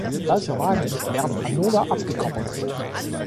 Welche Wagen werden anoder abgekoppelt?